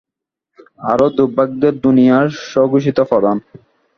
আর দুর্ভাগ্যের দুনিয়ার স্বঘোষিত প্রধান।